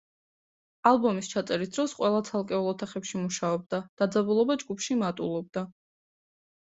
ალბომის ჩაწერის დროს ყველა ცალკეულ ოთახებში მუშაობდა, დაძაბულობა ჯგუფში მატულობდა.